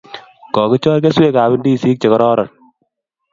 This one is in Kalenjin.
Kokichor keswek ab ndizik che kororon